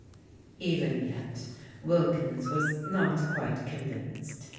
Even yet Wilkins was not quite convinced.